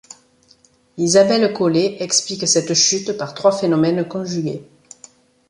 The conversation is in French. Isabelle Collet explique cette chute par trois phénomènes conjugués.